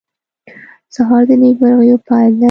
سهار د نیکمرغیو پېل دی.